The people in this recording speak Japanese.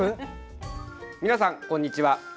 皆さん、こんにちは。